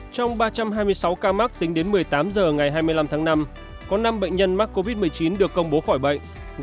trong ba trăm hai mươi sáu ca mắc tính đến một mươi tám h ngày hai mươi năm tháng năm có năm bệnh nhân mắc covid một mươi chín được công bố khỏi bệnh